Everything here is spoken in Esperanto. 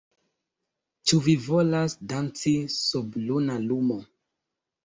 Ĉu vi volas danci sub luna lumo